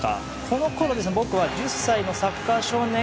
このころ僕は１０歳のサッカー少年。